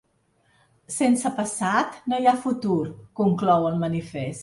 Sense passat no hi ha futur, conclou el manifest.